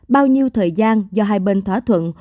bao nhiêu thời gian do hai bên thỏa thuận